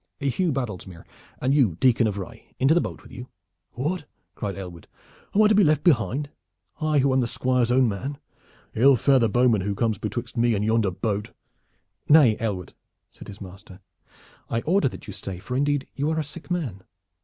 Hugh Baddlesmere, and you, Dicon of Rye into the boat with you!" "What?" cried Aylward. "Am I to be left behind? I, who am the Squire's own man? Ill fare the bowman who comes betwixt me and yonder boat!" "Nay, Aylward," said his master, "I order that you stay, for indeed you are a sick man."